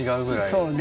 そうね。